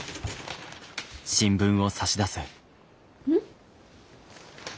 うん？